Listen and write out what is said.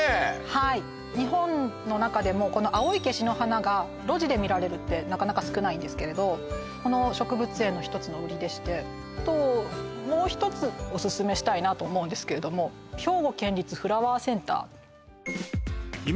はい日本の中でも青いケシの花が路地で見られるってなかなか少ないんですけれどこの植物園の１つの売りでしてもう１つオススメしたいなと思うんですけれども兵庫県立フラワーセンター